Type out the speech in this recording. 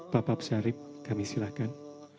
bapak sarip kami silakan